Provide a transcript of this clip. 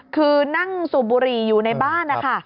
คือนั่งสูบบุหรี่อยู่ในบ้านนะคะ